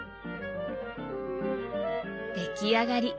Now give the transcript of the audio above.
出来上がり。